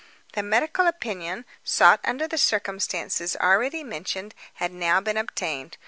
The medical opinion, sought under the circumstances already mentioned, had now been obtained.